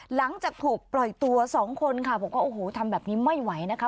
หลังจากถูกปล่อยตัวสองคนค่ะบอกว่าโอ้โหทำแบบนี้ไม่ไหวนะคะ